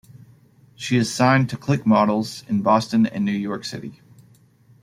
She is signed to Click Models, in Boston and New York City.